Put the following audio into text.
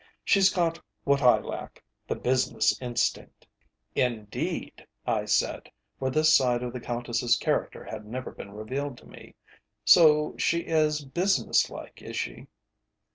She's got what I lack the business instinct." "Indeed!" I said, for this side of the Countess's character had never been revealed to me. "So she is business like, is she?"